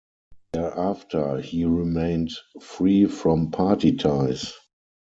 Thereafter he remained free from party ties.